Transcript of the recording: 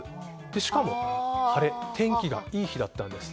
しかも晴れ天気がいい日だったんです。